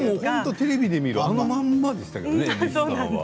テレビで見るあのままでした。